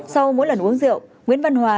sau mỗi lần uống rượu nguyễn văn hòa